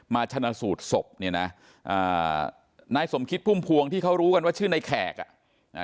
มาชนะสูดศพเนี่ยนะนายสมคิดพุ่มพวงที่เขารู้กันว่าชื่อนายแขกอ่ะ